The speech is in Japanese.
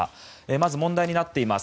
まず問題になっています